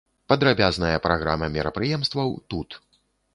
Падрабязная праграма мерапрыемстваў тут.